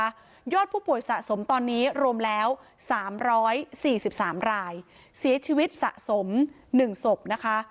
ยอดผู้ป่วยสะสมตอนนี้รวมแล้ว๓๔๓รายเสียชีวิตสะสม๑ศพนะคะ